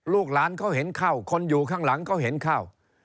ลูกหลานเขาเห็นเข้าคนอยู่ข้างหลังเขาเห็นเข้า